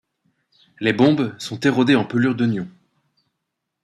Les bombes sont érodées en pelures d’oignons.